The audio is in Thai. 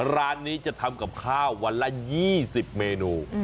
ร้านนี้จะทำกับข้าววันละ๒๐เมนู